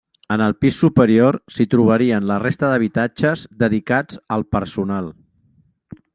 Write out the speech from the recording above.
En el pis superior s'hi trobarien la resta d'habitatges dedicats al personal.